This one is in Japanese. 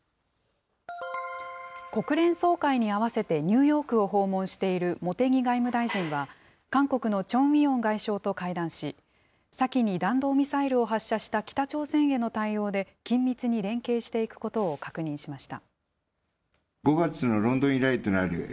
国連総会に合わせてニューヨークを訪問している茂木外務大臣は、韓国のチョン・ウィヨン外相と会談し、先に弾道ミサイルを発射した北朝鮮への対応で、緊密に連携していくことを確認しました。